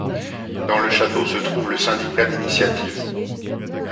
Dans le château se trouve le syndicat d'initiative.